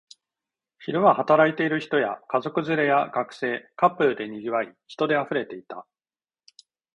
昼は働いている人や、家族連れや学生、カップルで賑わい、人で溢れていた